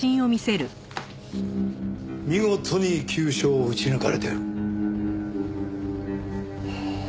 見事に急所を撃ち抜かれてる。